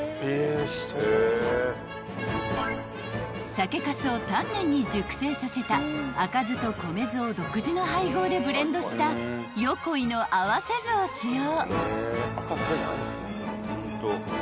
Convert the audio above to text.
［酒粕を丹念に熟成させた赤酢と米酢を独自の配合でブレンドした横井の合わせ酢を使用］